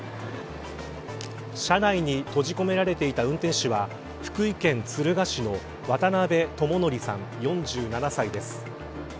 車内に閉じ込められていた運転手は福井県敦賀市の渡辺智典さん４７歳です。